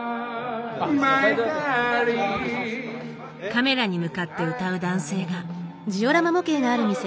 カメラに向かって歌う男性が。